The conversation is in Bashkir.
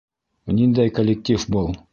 Ниндәй коллектив был?